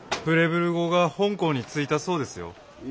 プレブル号が香港に着いたそうですよ。